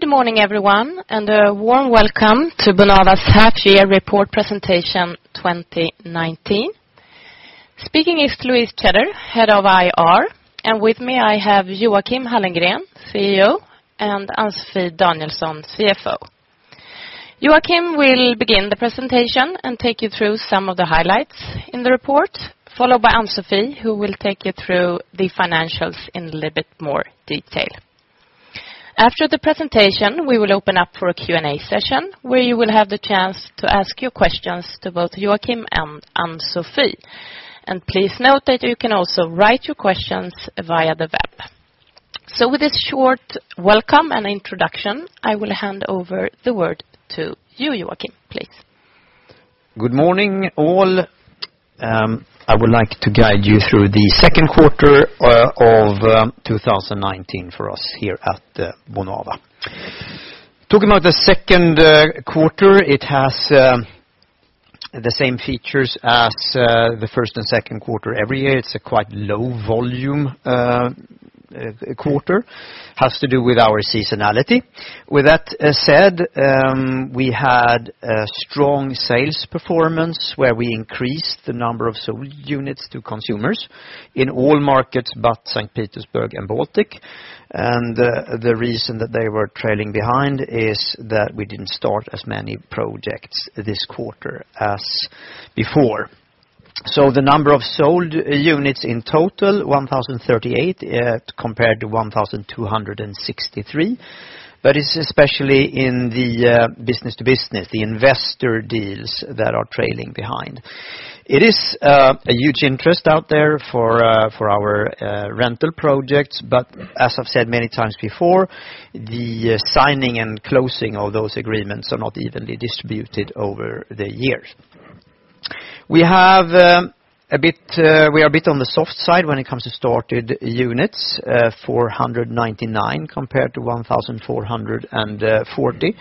Good morning everyone, a warm welcome to Bonava's half year report presentation 2019. Speaking is Louise Tjäder, Head of IR, with me I have Joachim Hallengren, CEO, and Ann-Sofi Danielsson, CFO. Joachim will begin the presentation and take you through some of the highlights in the report, followed by Ann-Sofi, who will take you through the financials in a little bit more detail. After the presentation, we will open up for a Q&A session where you will have the chance to ask your questions to both Joachim and Ann-Sofi. Please note that you can also write your questions via the web. With this short welcome and introduction, I will hand over the word to you Joachim, please. Good morning, all. I would like to guide you through the second quarter of 2019 for us here at Bonava. Talking about the second quarter, it has the same features as the first and second quarter every year. It is a quite low volume quarter, has to do with our seasonality. With that said, we had a strong sales performance where we increased the number of sold units to consumers in all markets but St. Petersburg and Baltic. The reason that they were trailing behind is that we did not start as many projects this quarter as before. The number of sold units in total, 1,038 compared to 1,263. It is especially in the business-to-business, the investor deals that are trailing behind. It is a huge interest out there for our rental projects, but as I have said many times before, the signing and closing of those agreements are not evenly distributed over the years. We are a bit on the soft side when it comes to started units, 499 compared to 1,440.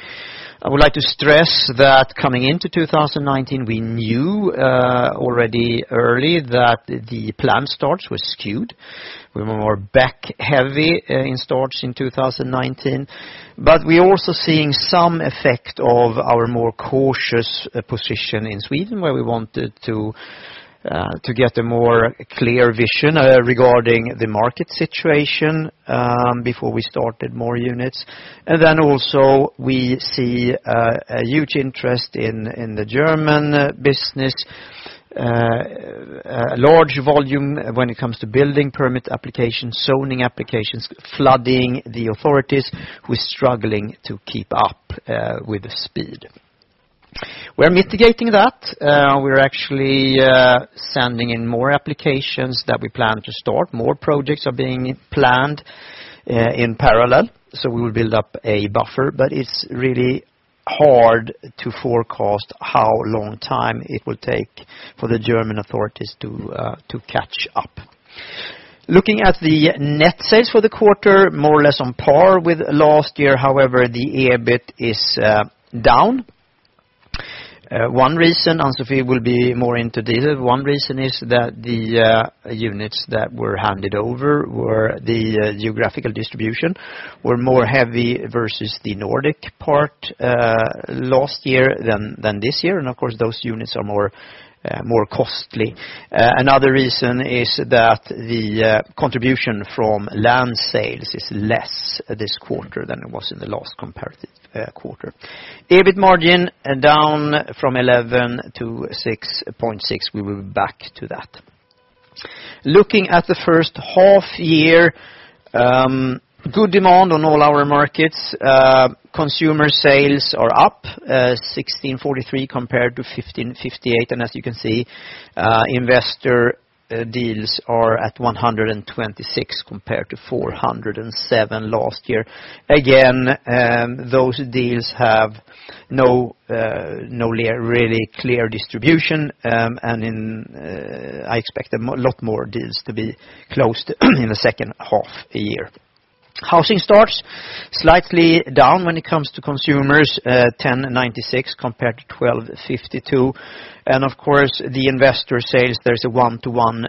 I would like to stress that coming into 2019, we knew already early that the plan starts were skewed. We were more back heavy in starts in 2019, but we are also seeing some effect of our more cautious position in Sweden where we wanted to get a clearer vision regarding the market situation before we started more units. Also we see a huge interest in the German business. A large volume when it comes to building permit applications, zoning applications, flooding the authorities who are struggling to keep up with the speed. We are mitigating that. We are actually sending in more applications that we plan to start. More projects are being planned in parallel. We will build up a buffer. It is really hard to forecast how long time it will take for the German authorities to catch up. Looking at the net sales for the quarter, more or less on par with last year. However, the EBIT is down. One reason, Ann-Sofi will be more into detail. One reason is that the units that were handed over were the geographical distribution, were more heavy versus the Nordic part last year than this year. Of course, those units are more costly. Another reason is that the contribution from land sales is less this quarter than it was in the last comparative quarter. EBIT margin down from 11% to 6.6%. We will be back to that. Looking at the first half year, good demand on all our markets. Consumer sales are up 1,643 compared to 1,558. As you can see investor deals are at 126 compared to 407 last year. Again, those deals have no really clear distribution. I expect a lot more deals to be closed in the second half year. Housing starts slightly down when it comes to consumers, 1,096 compared to 1,252. Of course, the investor sales, there's a one-to-one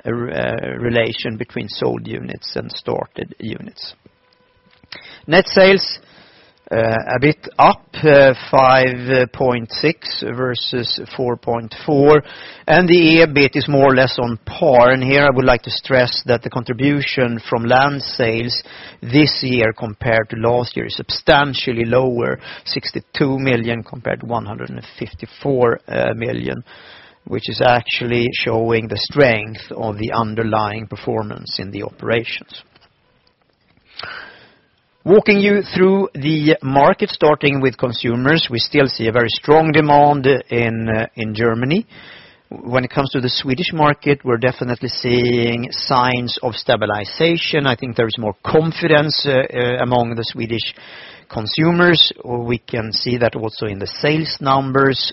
relation between sold units and started units. Net sales, a bit up 5.6 versus 4.4, and the EBIT is more or less on par. Here I would like to stress that the contribution from land sales this year compared to last year is substantially lower, 62 million compared to 154 million, which is actually showing the strength of the underlying performance in the operations. Walking you through the market, starting with consumers, we still see a very strong demand in Germany. When it comes to the Swedish market, we're definitely seeing signs of stabilization. I think there is more confidence among the Swedish consumers. We can see that also in the sales numbers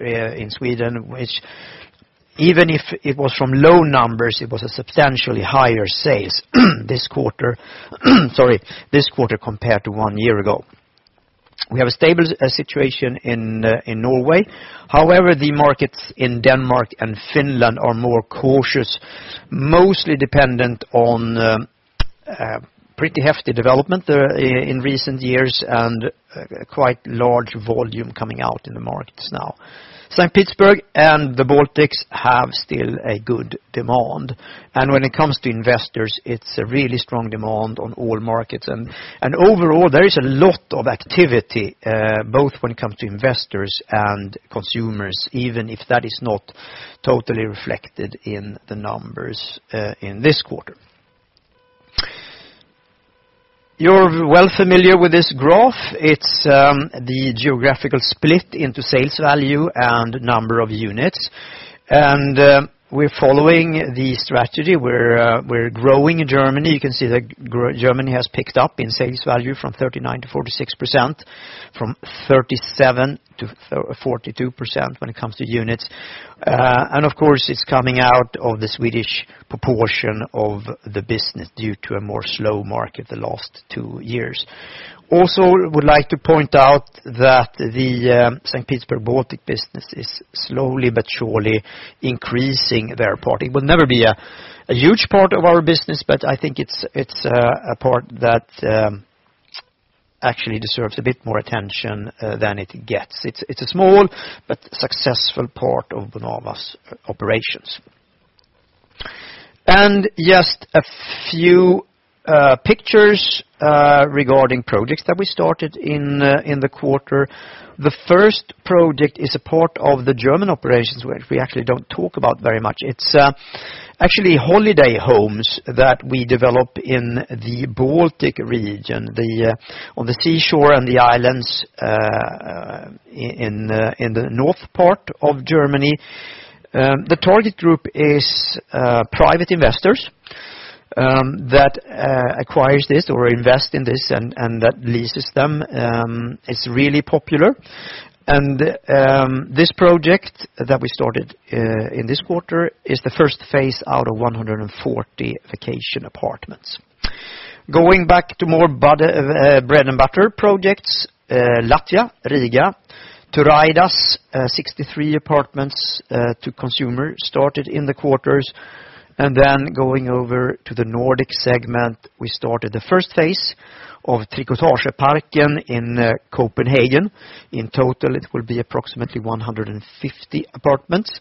in Sweden, which even if it was from low numbers, it was a substantially higher sales this quarter compared to 1 year ago. We have a stable situation in Norway. However, the markets in Denmark and Finland are more cautious, mostly dependent on pretty hefty development there in recent years and quite large volume coming out in the markets now. St. Petersburg and the Baltics have still a good demand. When it comes to investors, it's a really strong demand on all markets. Overall, there is a lot of activity, both when it comes to investors and consumers, even if that is not totally reflected in the numbers in this quarter. You're well familiar with this graph. It's the geographical split into sales value and number of units. We're following the strategy. We're growing in Germany. You can see that Germany has picked up in sales value from 39%-46%, from 37%-42% when it comes to units. Of course, it's coming out of the Swedish proportion of the business due to a more slow market the last 2 years. Also, would like to point out that the St. Petersburg Baltic business is slowly but surely increasing their part. It will never be a huge part of our business, but I think it's a part that actually deserves a bit more attention than it gets. It's a small but successful part of Bonava's operations. Just a few pictures regarding projects that we started in the quarter. The first project is a part of the German operations, which we actually don't talk about very much. It's actually holiday homes that we develop in the Baltic region, on the seashore and the islands in the north part of Germany. The target group is private investors that acquire this or invest in this and that leases them. It's really popular. This project that we started in this quarter is the first phase out of 140 vacation apartments. Going back to more bread and butter projects, Latvia, Riga, Turaidas, 63 apartments to consumer started in the quarter. Going over to the Nordic segment, we started the first phase of Trikotageparken in Copenhagen. In total, it will be approximately 150 apartments.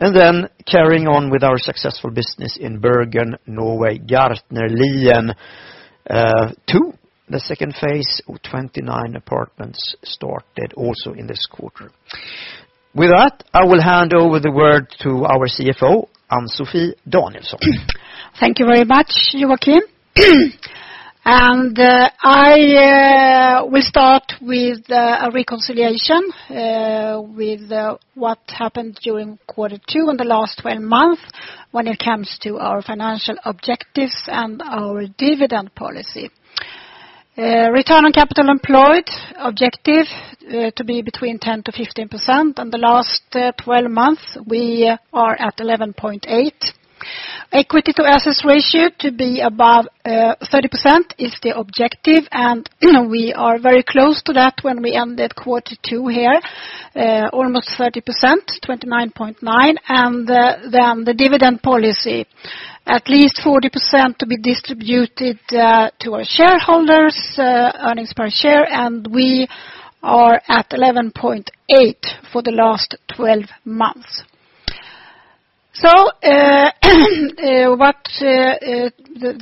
Carrying on with our successful business in Bergen, Norway, Gartnerlien II, the second phase of 29 apartments started also in this quarter. With that, I will hand over the word to our CFO, Ann-Sofi Danielsson. Thank you very much, Joachim. I will start with a reconciliation with what happened during quarter two in the last 12 months when it comes to our financial objectives and our dividend policy. Return on Capital Employed objective to be between 10% to 15% in the last 12 months, we are at 11.8. Equity to Assets Ratio to be above 30% is the objective, we are very close to that when we ended quarter two here, almost 30%, 29.9. The dividend policy, at least 40% to be distributed to our shareholders, Earnings Per Share, we are at 11.8 for the last 12 months. The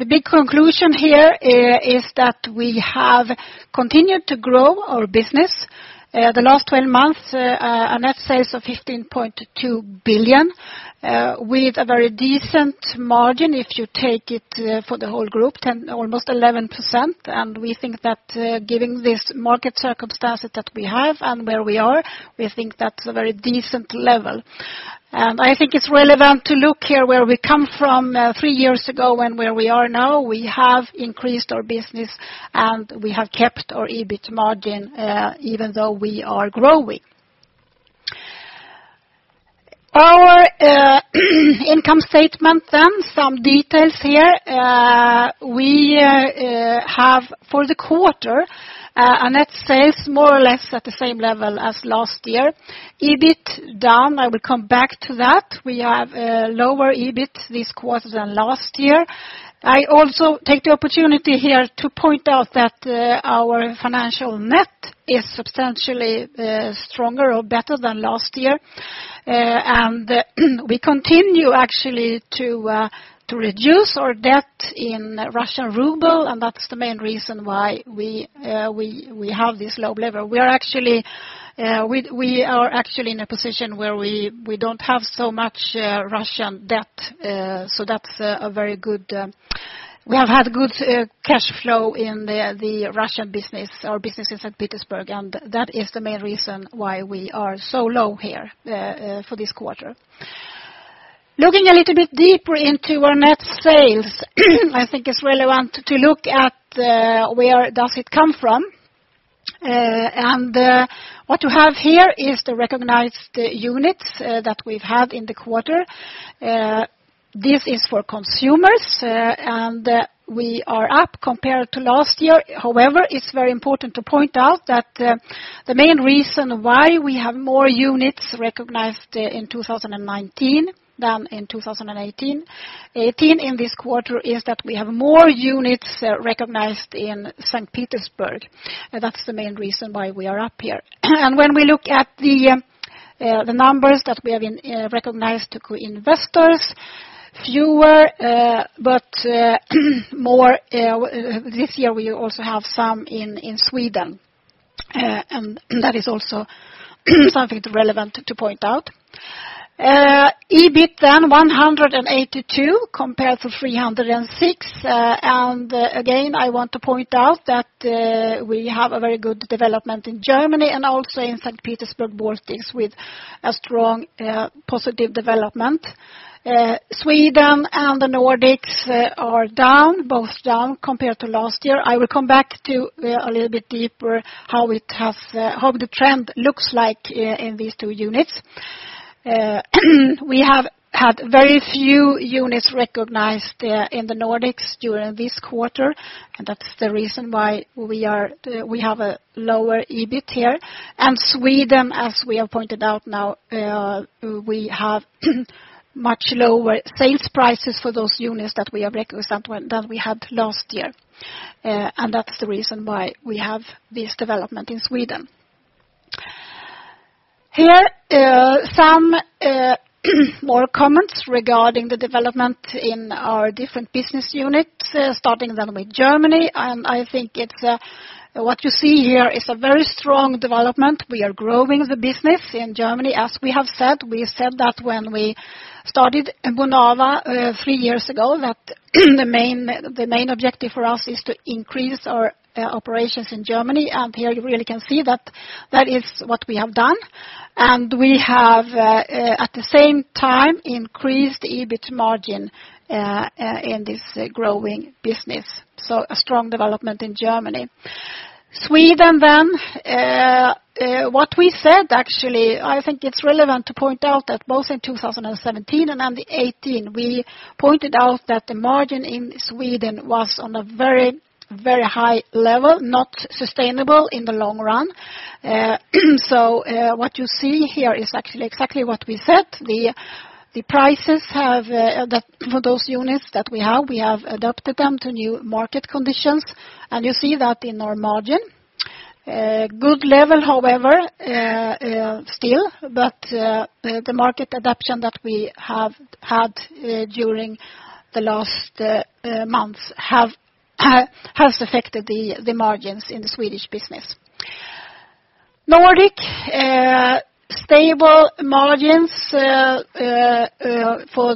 big conclusion here is that we have continued to grow our business. The last 12 months, a net sales of 15.2 billion with a very decent margin if you take it for the whole group, almost 11%. We think that giving this market circumstances that we have and where we are, we think that's a very decent level. I think it's relevant to look here where we come from three years ago and where we are now. We have increased our business, we have kept our EBIT margin even though we are growing. Our income statement, some details here. We have for the quarter a net sales more or less at the same level as last year. EBIT down, I will come back to that. We have a lower EBIT this quarter than last year. I also take the opportunity here to point out that our financial net is substantially stronger or better than last year. We continue actually to reduce our debt in Russian ruble, that's the main reason why we have this low level. We are actually in a position where we don't have so much Russian debt, so that's very good. We have had good cash flow in the Russian business, our business in Saint Petersburg, that is the main reason why we are so low here for this quarter. Looking a little bit deeper into our net sales, I think it's relevant to look at where does it come from. What you have here is the recognized units that we've had in the quarter. This is for consumers, we are up compared to last year. However, it's very important to point out that the main reason why we have more units recognized in 2019 than in 2018 in this quarter is that we have more units recognized in Saint Petersburg. That's the main reason why we are up here. When we look at the numbers that we have recognized to investors, fewer but more this year. We also have some in Sweden, That is also something relevant to point out. EBIT down 182 compared to 306. Again, I want to point out that we have a very good development in Germany and also in Saint Petersburg, Baltics with a strong positive development. Sweden and the Nordics are down, both down compared to last year. I will come back to a little bit deeper how the trend looks like in these two units. We have had very few units recognized in the Nordics during this quarter, and that's the reason why we have a lower EBIT here. Sweden, as we have pointed out now, we have much lower sales prices for those units that we have recognized than we had last year. That's the reason why we have this development in Sweden. Here some more comments regarding the development in our different business units, starting then with Germany. I think what you see here is a very strong development. We are growing the business in Germany, as we have said. We said that when we started Bonava three years ago, that the main objective for us is to increase our operations in Germany. Here you really can see that is what we have done. We have at the same time increased EBIT margin in this growing business. A strong development in Germany. Sweden. What we said, actually, I think it's relevant to point out that both in 2017 and 2018, we pointed out that the margin in Sweden was on a very high level, not sustainable in the long run. What you see here is actually exactly what we said. The prices for those units that we have, we have adapted them to new market conditions, You see that in our margin. Good level, however, still. The market adaptation that we have had during the last months has affected the margins in the Swedish business. Nordic, stable margins for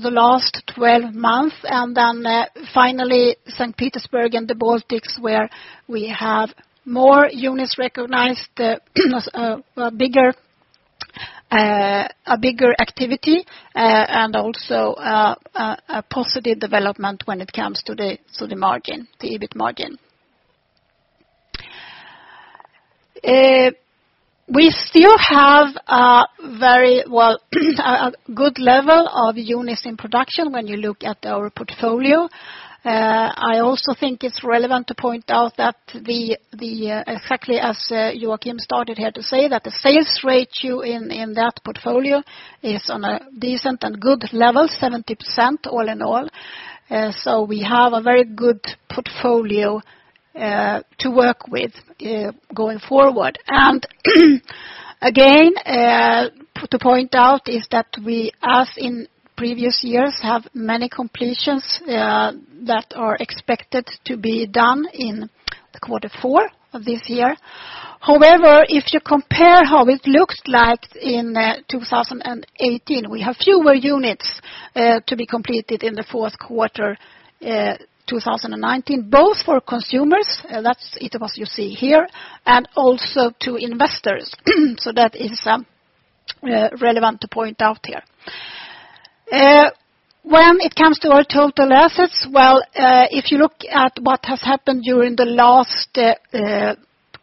the last 12 months. Finally, Saint Petersburg and the Baltics, where we have more units recognized, a bigger activity and also a positive development when it comes to the margin, the EBIT margin. We still have a very good level of units in production when you look at our portfolio. I also think it's relevant to point out that exactly as Joachim started here to say, that the sales ratio in that portfolio is on a decent and good level, 70% all in all. We have a very good portfolio to work with going forward. Again, to point out is that we, as in previous years, have many completions that are expected to be done in the quarter four of this year. However, if you compare how it looks like in 2018, we have fewer units to be completed in the fourth quarter 2019, both for consumers, that's ITOS you see here, and also to investors. That is relevant to point out here. When it comes to our total assets, if you look at what has happened during the last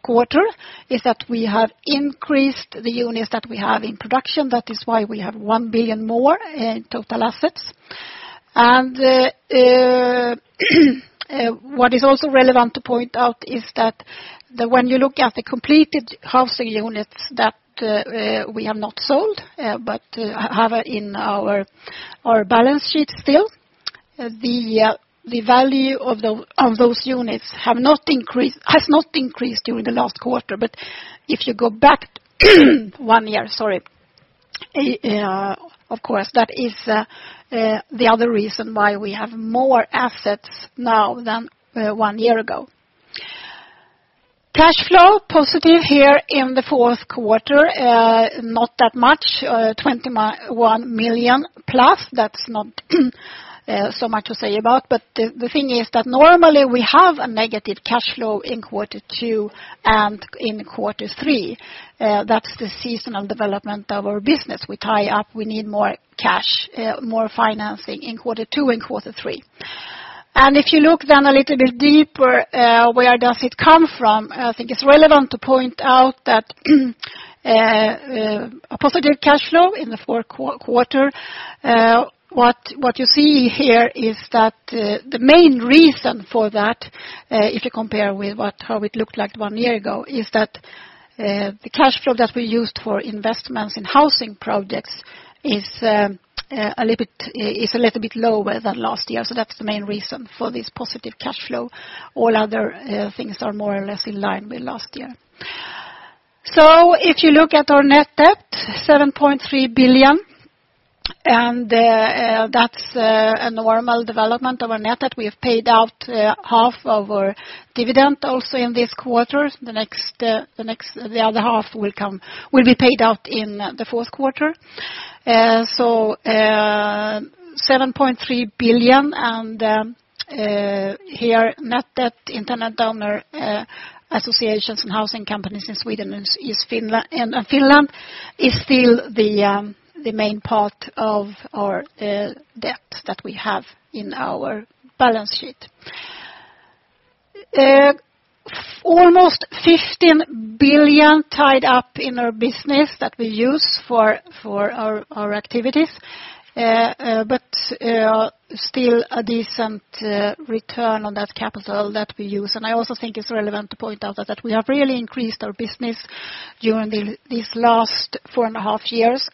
quarter, is that we have increased the units that we have in production. That is why we have 1 billion more in total assets. What is also relevant to point out is that when you look at the completed housing units that we have not sold but have in our balance sheet still, the value of those units has not increased during the last quarter. If you go back one year, of course, that is the other reason why we have more assets now than one year ago. Cash flow positive here in the fourth quarter. Not that much, 21 million plus. That is not so much to say about. The thing is that normally we have a negative cash flow in quarter two and in quarter three. That is the seasonal development of our business. We tie up, we need more cash, more financing in quarter two and quarter three. If you look then a little bit deeper, where does it come from? I think it is relevant to point out that a positive cash flow in the fourth quarter. What you see here is that the main reason for that, if you compare with how it looked like one year ago, is that the cash flow that we used for investments in housing projects is a little bit lower than last year. That is the main reason for this positive cash flow. All other things are more or less in line with last year. If you look at our Net Debt, 7.3 billion, and that is a normal development of our Net Debt. We have paid out half of our dividend also in this quarter. The other half will be paid out in the fourth quarter. 7.3 billion, and here, Net Debt in tenant-owner associations and housing companies in Sweden and Finland is still the main part of our debt that we have in our balance sheet. Almost 15 billion tied up in our business that we use for our activities. Still a decent return on that capital that we use. I also think it is relevant to point out that we have really increased our business during these last four and a half years,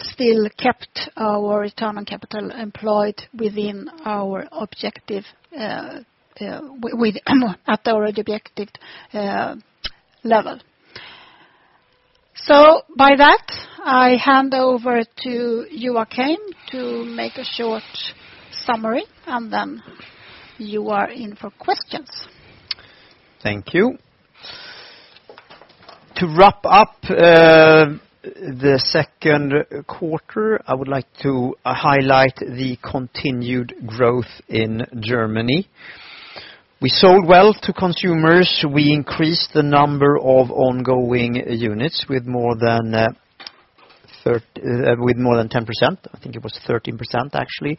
still kept our Return on Capital Employed at our objective level. By that, I hand over to Joachim to make a short summary, and then you are in for questions. Thank you. To wrap up the second quarter, I would like to highlight the continued growth in Germany. We sold well to consumers. We increased the number of ongoing units with more than 10%. I think it was 13%, actually.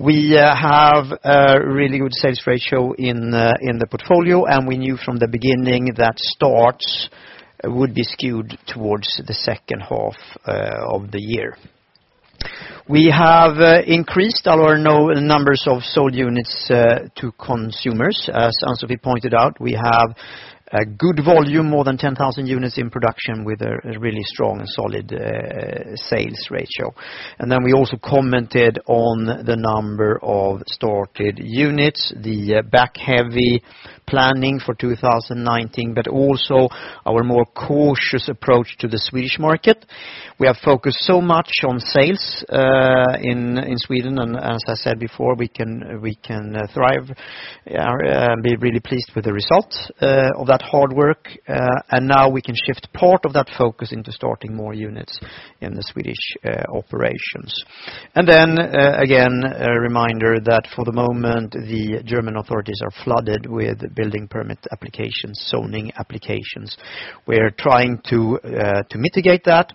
We have a really good sales ratio in the portfolio. We knew from the beginning that starts would be skewed towards the second half of the year. We have increased our numbers of sold units to consumers. As Ann-Sofi pointed out, we have a good volume, more than 10,000 units in production with a really strong and solid sales ratio. Then we also commented on the number of started units, the back-heavy planning for 2019. Also our more cautious approach to the Swedish market. We have focused so much on sales in Sweden. As I said before, we can thrive and be really pleased with the results of that hard work. Now we can shift part of that focus into starting more units in the Swedish operations. Then, again, a reminder that for the moment, the German authorities are flooded with building permit applications, zoning applications. We're trying to mitigate that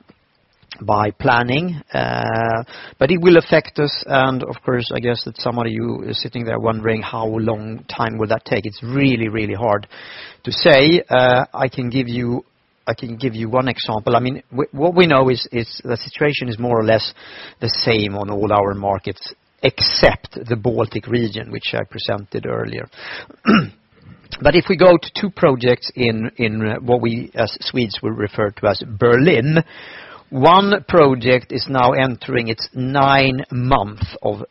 by planning. It will affect us, and of course, I guess that some of you are sitting there wondering how long time will that take. It's really hard to say. I can give you one example. What we know is the situation is more or less the same on all our markets except the Baltic region, which I presented earlier. If we go to two projects in what we, as Swedes, will refer to as Berlin, one project is now entering its nine month of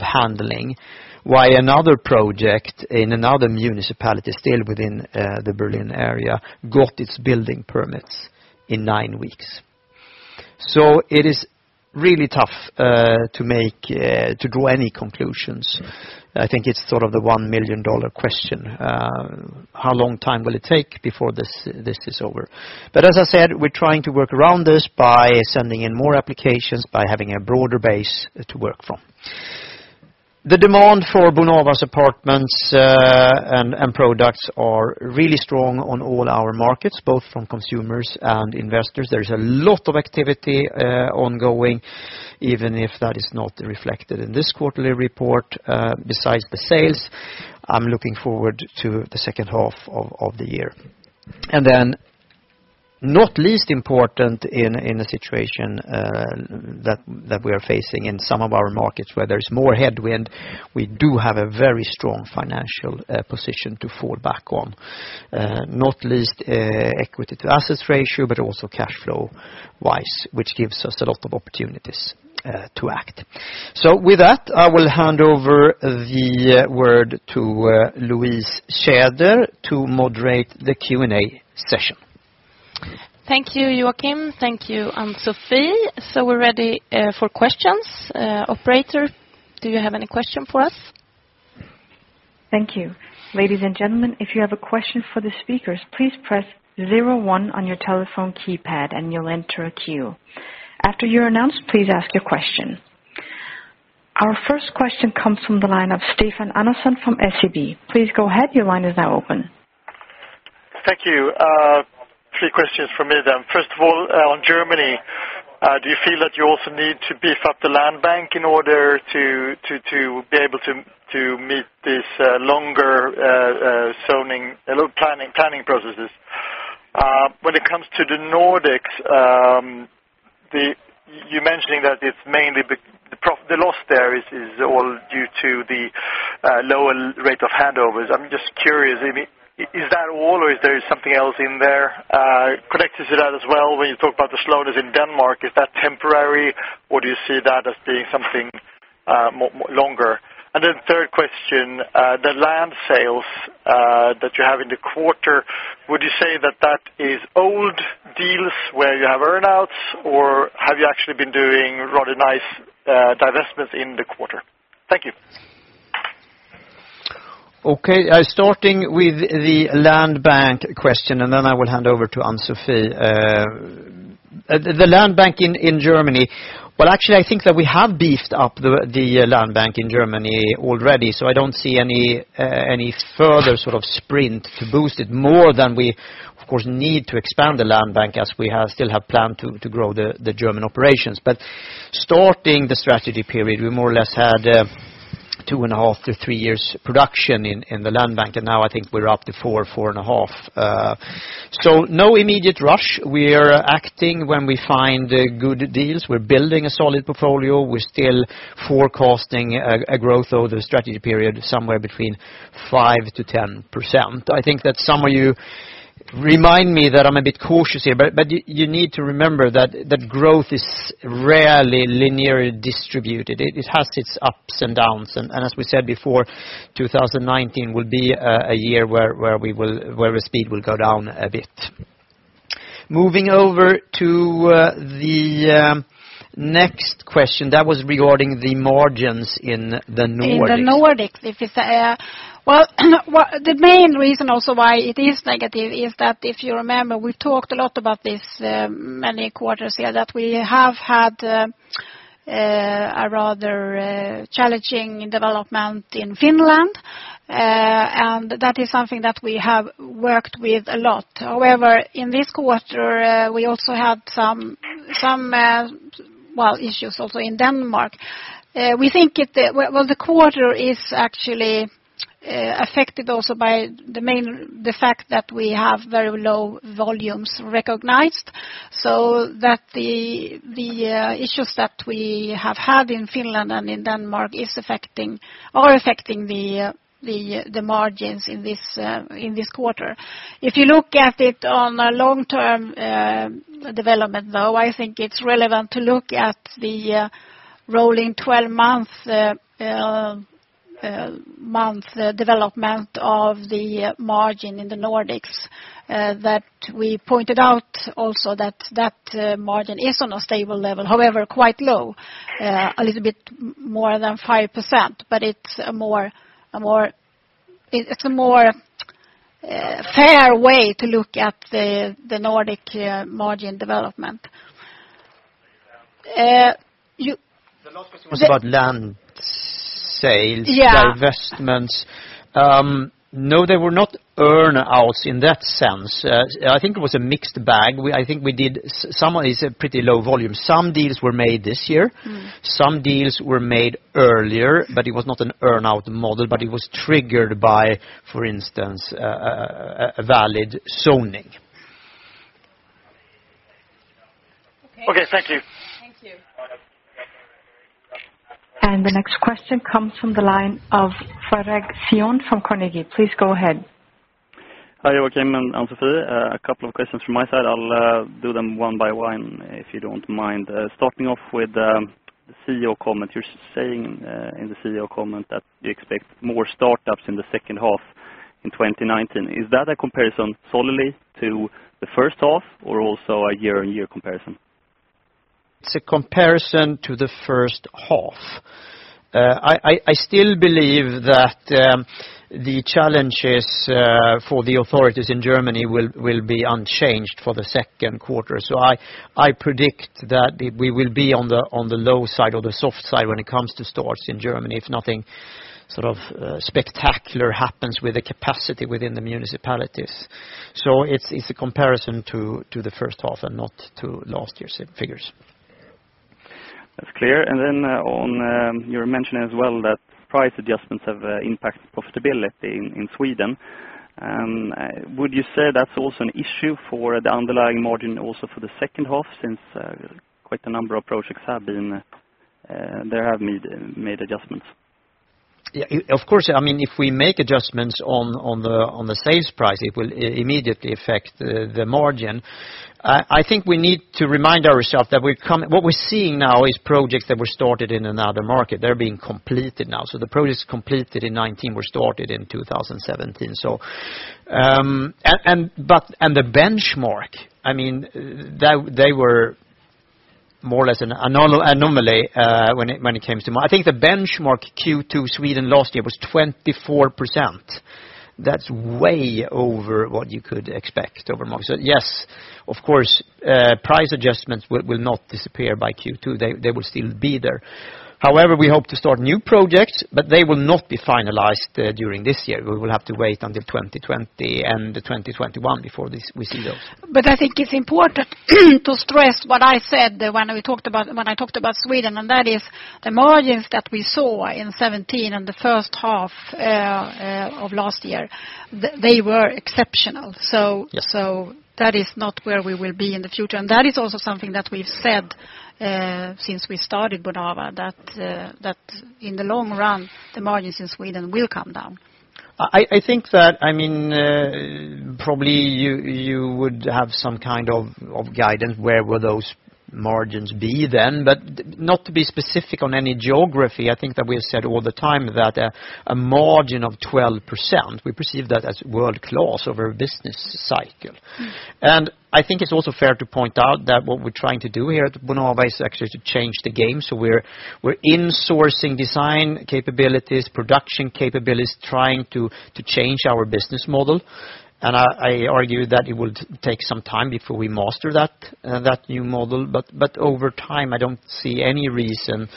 handling, while another project in another municipality, still within the Berlin area, got its building permits in nine weeks. It is really tough to draw any conclusions. I think it's sort of the SEK 1 million question. How long time will it take before this is over? As I said, we're trying to work around this by sending in more applications, by having a broader base to work from. The demand for Bonava's apartments and products are really strong on all our markets, both from consumers and investors. There is a lot of activity ongoing, even if that is not reflected in this quarterly report. Besides the sales, I'm looking forward to the second half of the year. Then not least important in the situation that we are facing in some of our markets where there is more headwind, we do have a very strong financial position to fall back on. Not least Equity to Assets Ratio, but also cash flow-wise, which gives us a lot of opportunities to act. With that, I will hand over the word to Louise Tjäder to moderate the Q&A session. Thank you, Joachim. Thank you, Ann-Sofi. We're ready for questions. Operator, do you have any question for us? Thank you. Ladies and gentlemen, if you have a question for the speakers, please press 01 on your telephone keypad and you'll enter a queue. After you're announced, please ask your question. Our first question comes from the line of Stefan Andersson from SEB. Please go ahead. Your line is now open. Thank you. Three questions for me then. First of all, on Germany, do you feel that you also need to beef up the land bank in order to be able to meet these longer planning processes? When it comes to the Nordics, you're mentioning that it's mainly the loss there is all due to the lower rate of handovers. I'm just curious, is that all or is there something else in there? Connected to that as well, when you talk about the slowness in Denmark, is that temporary or do you see that as being something more longer? Third question, the land sales that you have in the quarter, would you say that that is old deals where you have earn-outs or have you actually been doing rather nice divestments in the quarter? Thank you. Okay. Starting with the land bank question, I will hand over to Ann-Sofi. The land bank in Germany. Well, actually, I think that we have beefed up the land bank in Germany already, I don't see any further sort of sprint to boost it more than we, of course, need to expand the land bank as we still have planned to grow the German operations. Starting the strategy period, we more or less had two and a half to three years production in the land bank, and now I think we're up to four and a half. No immediate rush. We are acting when we find good deals. We're building a solid portfolio. We're still forecasting a growth over the strategy period, somewhere between 5%-10%. I think that some of you remind me that I'm a bit cautious here, you need to remember that growth is rarely linearly distributed. It has its ups and downs. As we said before, 2019 will be a year where the speed will go down a bit. Moving over to the next question, that was regarding the margins in the Nordics. In the Nordics. Well, the main reason also why it is negative is that if you remember, we talked a lot about this many quarters here, that we have had a rather challenging development in Finland. That is something that we have worked with a lot. However, in this quarter, we also had some issues also in Denmark. The quarter is actually affected also by the fact that we have very low volumes recognized, so that the issues that we have had in Finland and in Denmark are affecting the margins in this quarter. If you look at it on a long-term development, though, I think it's relevant to look at the rolling 12-month development of the margin in the Nordics, that we pointed out also that that margin is on a stable level, however, quite low, a little bit more than 5%, but it's a more fair way to look at the Nordic margin development. The last question was about land sales- Yeah divestments. No, they were not earn-outs in that sense. I think it was a mixed bag. Some of it is a pretty low volume. Some deals were made this year, some deals were made earlier, but it was not an earn-out model, but it was triggered by, for instance, a valid zoning. Okay. Thank you. Thank you. The next question comes from the line of Fredric Cyon from Carnegie. Please go ahead. Hi, Joachim and Ann-Sofi. A couple of questions from my side. I'll do them one by one, if you don't mind. Starting off with the CEO Comment. You're saying in the CEO Comment that you expect more startups in the second half in 2019. Is that a comparison solely to the first half or also a year-on-year comparison? It's a comparison to the first half. I still believe that the challenges for the authorities in Germany will be unchanged for the second quarter. I predict that we will be on the low side or the soft side when it comes to starts in Germany, if nothing spectacular happens with the capacity within the municipalities. It's a comparison to the first half and not to last year's figures. That's clear. You were mentioning as well that price adjustments have impacted profitability in Sweden. Would you say that's also an issue for the underlying margin also for the second half, since quite a number of projects there have made adjustments? Of course. If we make adjustments on the sales price, it will immediately affect the margin. I think we need to remind ourselves that what we're seeing now is projects that were started in another market. They're being completed now. The projects completed in 2019 were started in 2017. The benchmark, they were more or less an anomaly when it came to market. I think the benchmark Q2 Sweden last year was 24%. That's way over what you could expect over margin. Yes, of course, price adjustments will not disappear by Q2. They will still be there. However, we hope to start new projects, but they will not be finalized during this year. We will have to wait until 2020 and 2021 before we see those. I think it's important to stress what I said when I talked about Sweden, that is the margins that we saw in 2017 and the first half of last year, they were exceptional. Yes. That is not where we will be in the future. That is also something that we've said since we started Bonava, that in the long run, the margins in Sweden will come down. Probably you would have some kind of guidance where will those margins be then, but not to be specific on any geography. I think that we have said all the time that a margin of 12%, we perceive that as world-class over a business cycle. I think it's also fair to point out that what we're trying to do here at Bonava is actually to change the game. We're insourcing design capabilities, production capabilities, trying to change our business model. I argue that it will take some time before we master that new model. Over time, I don't see any reason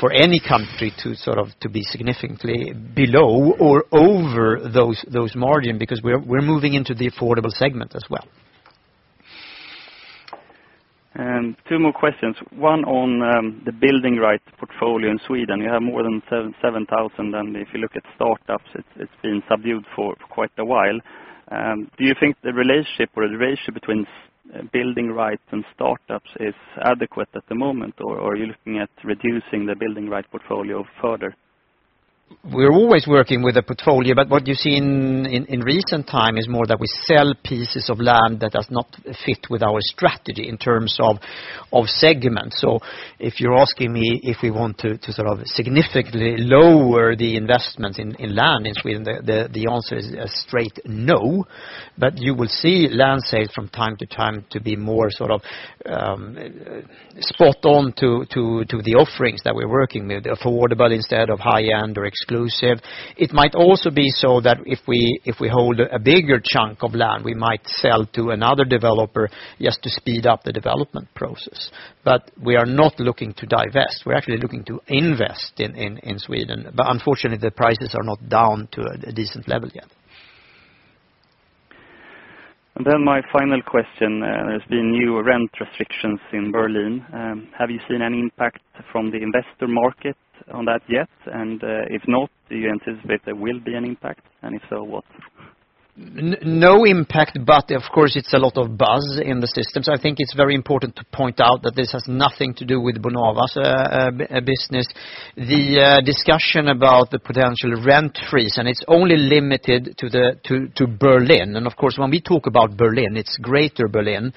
for any country to be significantly below or over those margin because we're moving into the affordable segment as well. Two more questions. One on the building right portfolio in Sweden. You have more than 7,000, and if you look at startups, it's been subdued for quite a while. Do you think the relationship or the ratio between building rights and startups is adequate at the moment? Are you looking at reducing the building right portfolio further? We're always working with a portfolio, but what you see in recent time is more that we sell pieces of land that does not fit with our strategy in terms of segment. If you're asking me if we want to significantly lower the investment in land in Sweden, the answer is a straight no. You will see land sales from time to time to be more spot on to the offerings that we're working with, affordable instead of high-end or exclusive. It might also be so that if we hold a bigger chunk of land, we might sell to another developer just to speed up the development process. We are not looking to divest. We're actually looking to invest in Sweden. Unfortunately, the prices are not down to a decent level yet. My final question. There's been new rent restrictions in Berlin. Have you seen any impact from the investor market on that yet? If not, do you anticipate there will be an impact? If so, what? No impact, of course, it's a lot of buzz in the systems. I think it's very important to point out that this has nothing to do with Bonava's business. The discussion about the potential rent freeze, it's only limited to Berlin. Of course, when we talk about Berlin, it's Greater Berlin.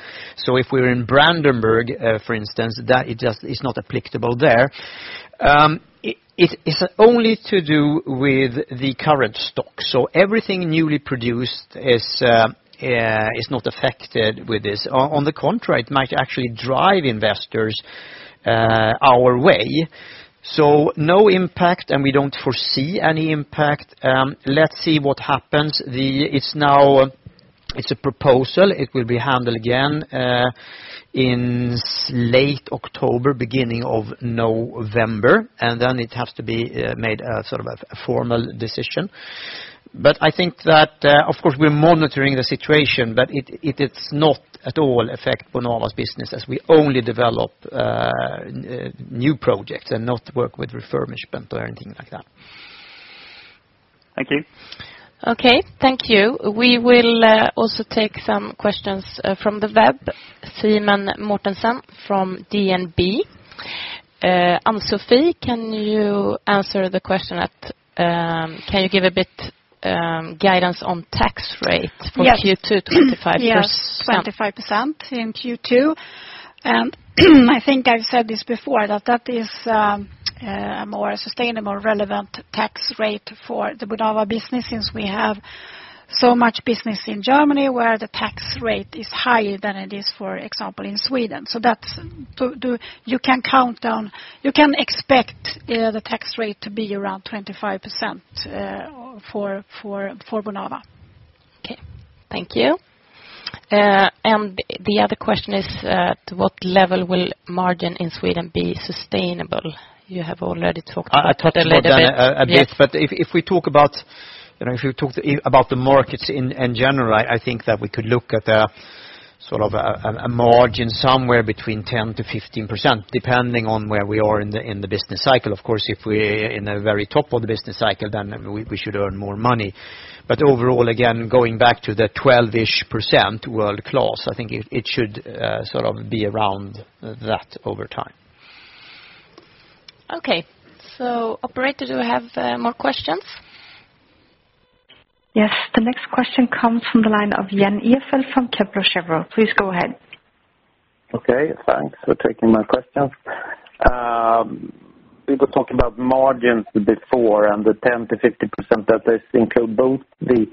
If we're in Brandenburg, for instance, that is not applicable there. It's only to do with the current stock. Everything newly produced is not affected with this. On the contrary, it might actually drive investors our way. No impact, we don't foresee any impact. Let's see what happens. It's a proposal. It will be handled again in late October, beginning of November. Then it has to be made a formal decision. Of course, we're monitoring the situation, it does not at all affect Bonava's business as we only develop new projects and not work with refurbishment or anything like that. Thank you. Okay. Thank you. We will also take some questions from the web. Simen Mortensen from DNB. Ann-Sofi, can you answer the question? Can you give a bit guidance on tax rate for Q2 25%? Yes, 25% in Q2. I think I've said this before, that that is a more sustainable, relevant tax rate for the Bonava business since we have so much business in Germany where the tax rate is higher than it is, for example, in Sweden. You can expect the tax rate to be around 25% for Bonava. Okay. Thank you. The other question is, at what level will margin in Sweden be sustainable? You have already talked about that a little bit. I talked about that a bit. Yes. If we talk about the markets in general, I think that we could look at a margin somewhere between 10%-15%, depending on where we are in the business cycle. If we're in a very top of the business cycle, then we should earn more money. Overall, again, going back to the 12-ish percent world-class, I think it should be around that over time. Operator, do I have more questions? Yes. The next question comes from the line of Jan Ihrfelt from Kepler Cheuvreux. Please go ahead. Thanks for taking my questions. You were talking about margins before and the 10%-50% that this include both the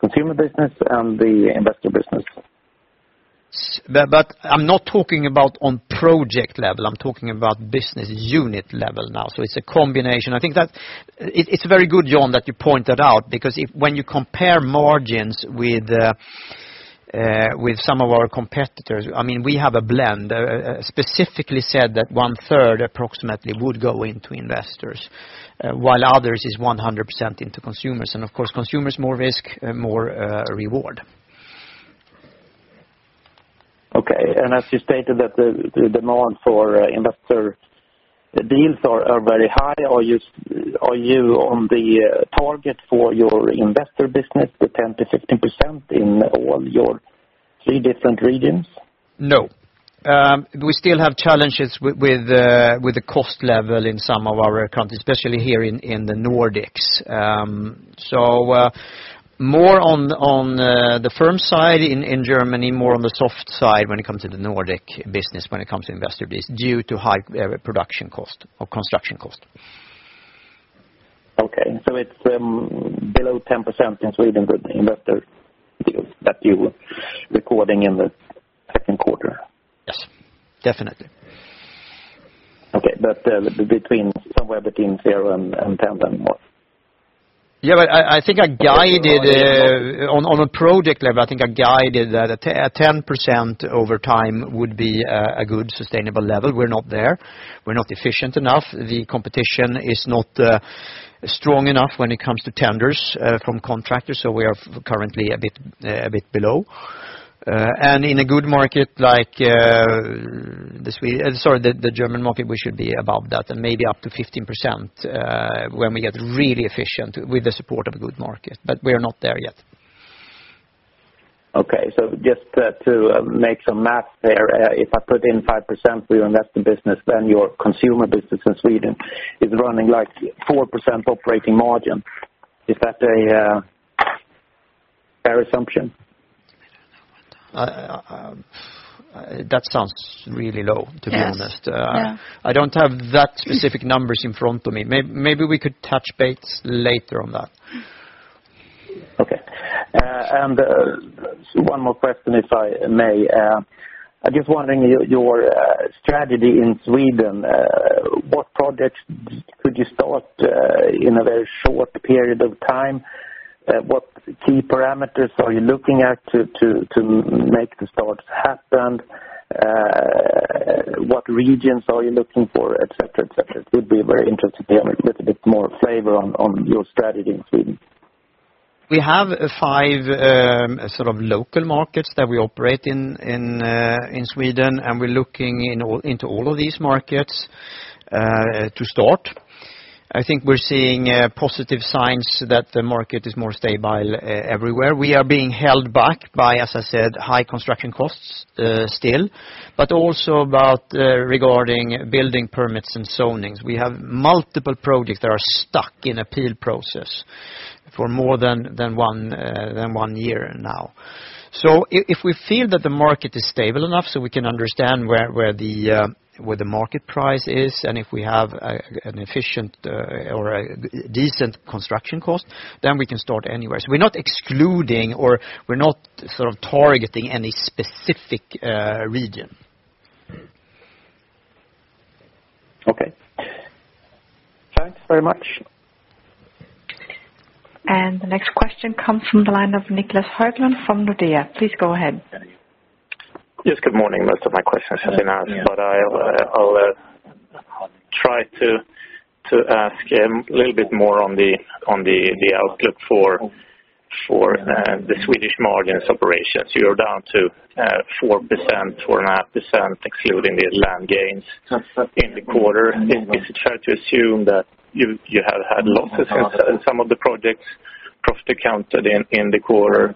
consumer business and the investor business? I'm not talking about on project level, I'm talking about business unit level now. It's a combination. I think that it's very good, Jan, that you point that out because when you compare margins with some of our competitors, we have a blend, specifically said that one third approximately would go into investors, while others is 100% into consumers. Of course, consumers more risk, more reward. As you stated that the demand for investor deals are very high. Are you on the target for your investor business with 10%-15% in all your three different regions? No. We still have challenges with the cost level in some of our countries, especially here in the Nordics. More on the firm side in Germany, more on the soft side when it comes to the Nordic business, when it comes to investor business due to high production cost or construction cost. Okay. It's below 10% in Sweden with investor deals that you recording in the second quarter? Yes, definitely. Okay. Somewhere between 0 and 10 then more? Yeah, on a project level, I think I guided that a 10% over time would be a good sustainable level. We're not there. We're not efficient enough. The competition is not strong enough when it comes to tenders from contractors. We are currently a bit below. In a good market like the German market, we should be above that and maybe up to 15% when we get really efficient with the support of a good market. We are not there yet. Okay. Just to make some math there. If I put in 5% for your investor business, then your consumer business in Sweden is running like 4% operating margin. Is that a fair assumption? That sounds really low, to be honest. Yes. I don't have that specific numbers in front of me. Maybe we could touch base later on that. Okay. One more question, if I may. I'm just wondering your strategy in Sweden, what projects could you start in a very short period of time? What key parameters are you looking at to make the start happen? What regions are you looking for, et cetera. It would be very interesting to have a little bit more flavor on your strategy in Sweden. We have five sort of local markets that we operate in Sweden, we're looking into all of these markets to start. I think we're seeing positive signs that the market is more stable everywhere. We are being held back by, as I said, high construction costs still, but also about regarding building permits and zonings. We have multiple projects that are stuck in appeal process for more than one year now. If we feel that the market is stable enough so we can understand where the market price is, if we have an efficient or a decent construction cost, we can start anywhere. We're not excluding or we're not sort of targeting any specific region. Okay. Thanks very much. The next question comes from the line of Niclas Höglund from Nordea. Please go ahead. Yes, good morning. Most of my questions have been asked, but I'll try to ask a little bit more on the outlook for the Swedish margins operations. You're down to 4%, 4.5% excluding the land gains in the quarter. Is it fair to assume that you have had losses in some of the projects, profit counted in the quarter?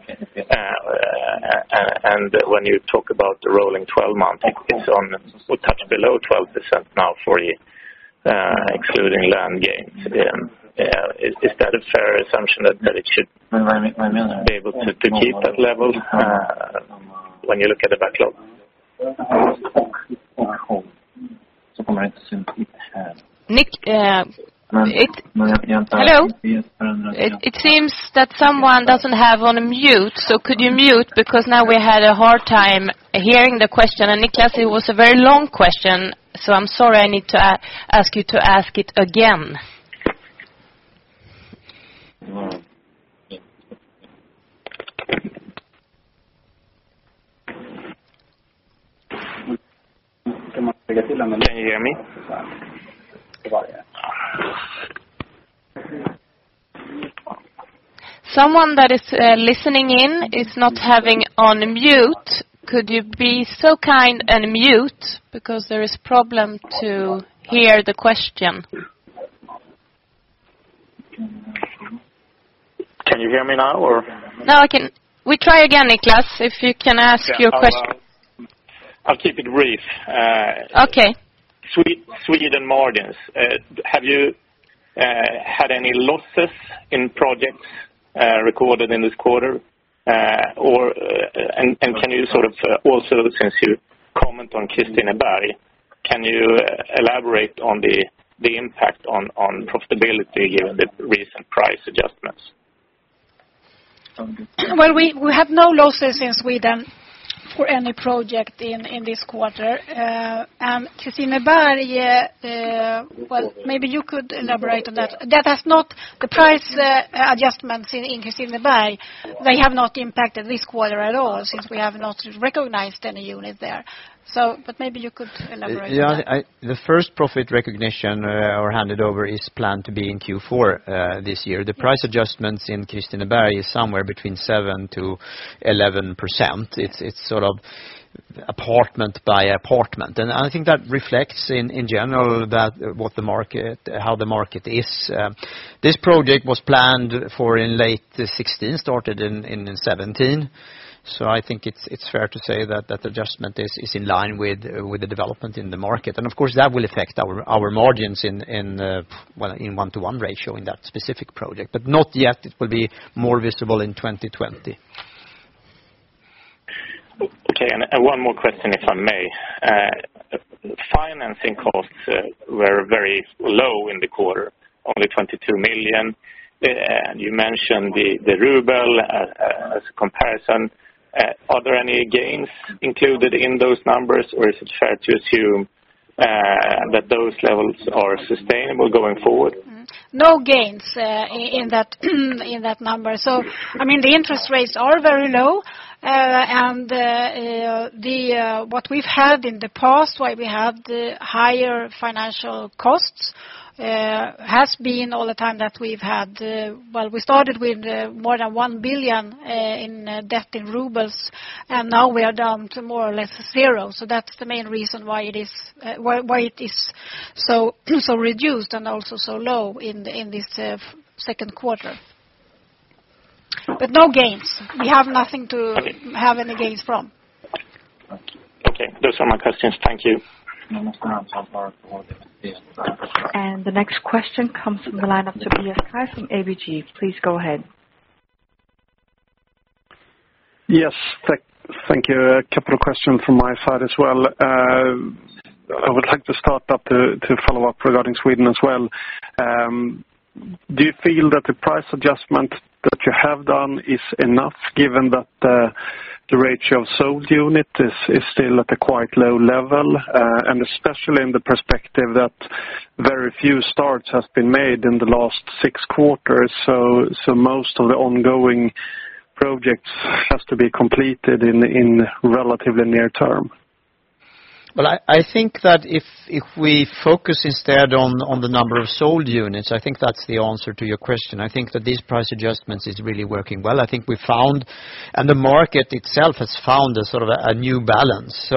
When you talk about the rolling 12 months, it's on touch below 12% now for you excluding land gains. Is that a fair assumption that it should be able to keep that level when you look at the backlog? Hello? It seems that someone doesn't have on mute, so could you mute because now we had a hard time hearing the question, Niclas, it was a very long question, so I'm sorry I need to ask you to ask it again. Can you hear me? Someone that is listening in is not having on mute. Could you be so kind and mute because there is problem to hear the question. Can you hear me now, or? No, I can. We try again, Niclas, if you can ask your question. I'll keep it brief. Okay. Sweden margins. Have you had any losses in projects recorded in this quarter? Can you sort of also, since you comment on Kristineberg, can you elaborate on the impact on profitability given the recent price adjustments? Well, we have no losses in Sweden for any project in this quarter. Kristineberg, well, maybe you could elaborate on that. The price adjustments in Kristineberg, they have not impacted this quarter at all since we have not recognized any unit there. Maybe you could elaborate on that. Yeah. The first profit recognition or handed over is planned to be in Q4 this year. The price adjustments in Kristineberg is somewhere between 7%-11%. It's sort of apartment by apartment. I think that reflects in general how the market is. This project was planned for in late 2016, started in 2017. I think it's fair to say that the adjustment is in line with the development in the market. Of course, that will affect our margins in one-to-one ratio in that specific project. Not yet. It will be more visible in 2020. Okay. One more question, if I may. Financing costs were very low in the quarter, only 22 million. You mentioned the ruble as a comparison. Are there any gains included in those numbers, or is it fair to assume that those levels are sustainable going forward? No gains in that number. The interest rates are very low. What we've had in the past, why we had the higher financial costs, has been all the time that we've had well, we started with more than 1 billion in debt in rubles, and now we are down to more or less zero. That's the main reason why it is so reduced and also so low in this second quarter. No gains. We have nothing to have any gains from. Okay. Those are my questions. Thank you. The next question comes from the line of Tobias Kaj from ABG. Please go ahead. Yes. Thank you. A couple of questions from my side as well. I would like to start up to follow up regarding Sweden as well. Do you feel that the price adjustment that you have done is enough given that the ratio of sold unit is still at a quite low level, and especially in the perspective that very few starts has been made in the last six quarters, so most of the ongoing projects has to be completed in relatively near term? Well, I think that if we focus instead on the number of sold units, I think that's the answer to your question. I think that these price adjustments is really working well. I think we found, and the market itself has found a sort of a new balance.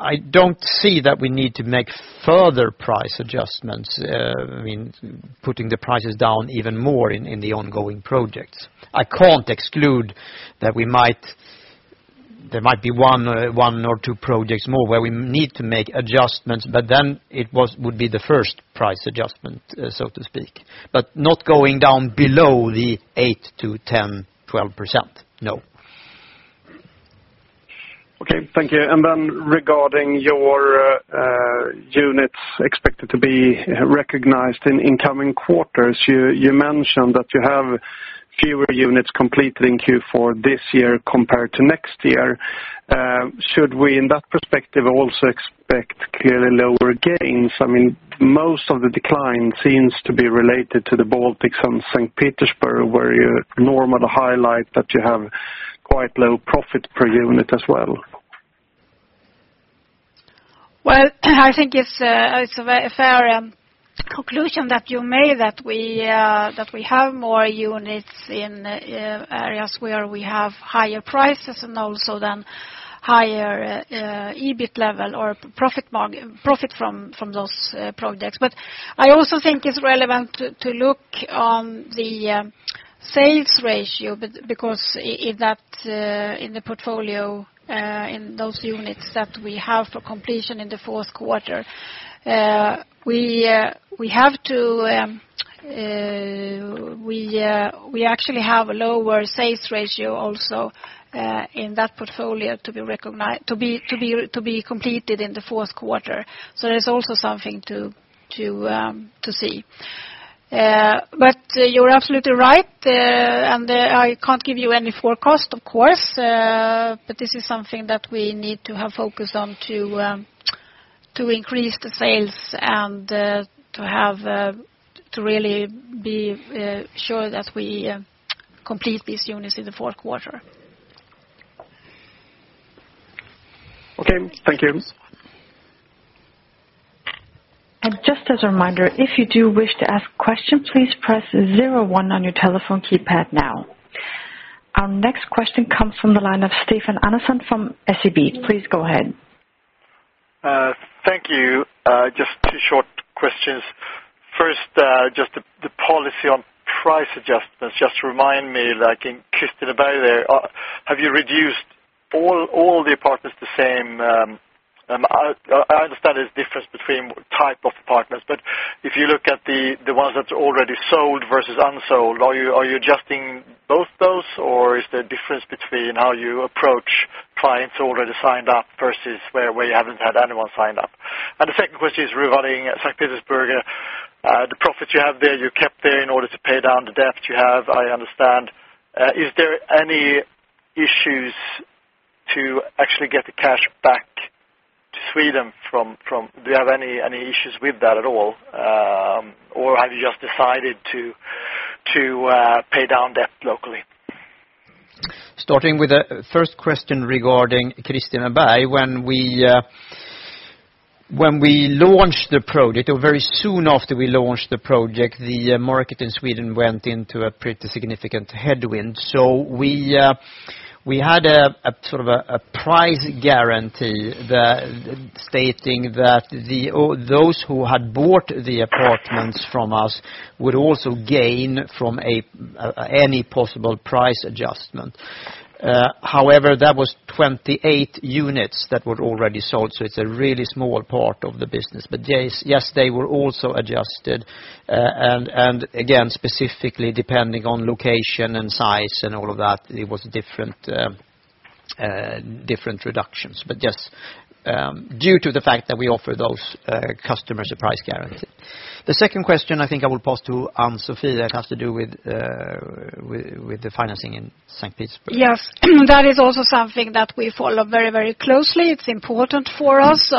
I don't see that we need to make further price adjustments, putting the prices down even more in the ongoing projects. I can't exclude that there might be one or two projects more where we need to make adjustments, but then it would be the first price adjustment, so to speak. Not going down below the 8% to 10%, 12%. No. Okay. Thank you. Regarding your units expected to be recognized in incoming quarters. You mentioned that you have fewer units completed in Q4 this year compared to next year. Should we, in that perspective, also expect clearly lower gains? Most of the decline seems to be related to the Baltics and St. Petersburg, where you normally highlight that you have quite low profit per unit as well. Well, I think it's a very fair conclusion that you made that we have more units in areas where we have higher prices and also then higher EBIT level or profit from those projects. I also think it's relevant to look on the sales ratio, because in the portfolio, in those units that we have for completion in the fourth quarter, we actually have a lower sales ratio also in that portfolio to be completed in the fourth quarter. That is also something to see. You're absolutely right, and I can't give you any forecast, of course, but this is something that we need to have focus on to increase the sales and to really be sure that we complete these units in the fourth quarter. Okay. Thank you. Just as a reminder, if you do wish to ask question, please press 01 on your telephone keypad now. Our next question comes from the line of Stefan Andersson from SEB. Please go ahead. Thank you. Just two short questions. First, just the policy on price adjustments. Just remind me, like in Kristineberg there, have you reduced all the apartments the same? I understand there's difference between type of apartments, but if you look at the ones that's already sold versus unsold, are you adjusting both those, or is there a difference between how you approach clients already signed up versus where you haven't had anyone signed up? The second question is regarding Saint Petersburg. The profits you have there, you kept there in order to pay down the debt you have, I understand. Is there any issues to actually get the cash back to Sweden? Do you have any issues with that at all? Or have you just decided to pay down debt locally? Starting with the first question regarding Kristineberg. When we launched the project, or very soon after we launched the project, the market in Sweden went into a pretty significant headwind. We had a sort of a price guarantee stating that those who had bought the apartments from us would also gain from any possible price adjustment. However, that was 28 units that were already sold, so it's a really small part of the business. Yes, they were also adjusted. Again, specifically depending on location and size and all of that, it was different reductions. Yes, due to the fact that we offer those customers a price guarantee. The second question, I think I will pass to Ann-Sofi, that has to do with the financing in Saint Petersburg. Yes. That is also something that we follow very closely. It's important for us.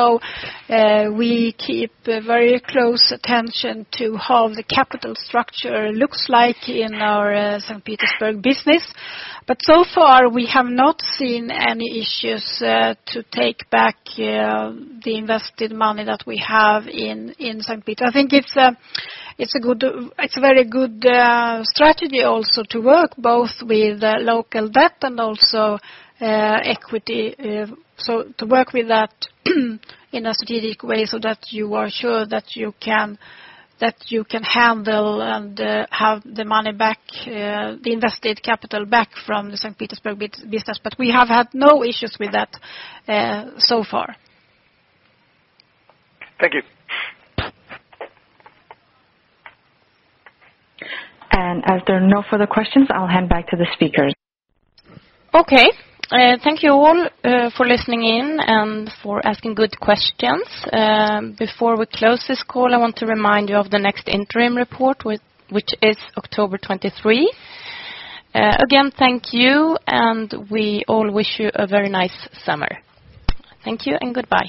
We keep very close attention to how the capital structure looks like in our Saint Petersburg business. So far, we have not seen any issues to take back the invested money that we have in Saint Petersburg. I think it's a very good strategy also to work both with local debt and also equity. To work with that in a strategic way so that you are sure that you can handle and have the money back, the invested capital back from the Saint Petersburg business. We have had no issues with that so far. Thank you. As there are no further questions, I'll hand back to the speakers. Okay. Thank you all for listening in and for asking good questions. Before we close this call, I want to remind you of the next interim report, which is October 23. Again, thank you, and we all wish you a very nice summer. Thank you and goodbye.